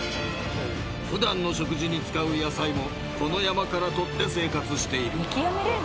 ［普段の食事に使う野菜もこの山から採って生活している］